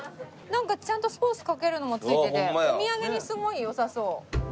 なんかちゃんとソースかけるのも付いててお土産にすごい良さそう。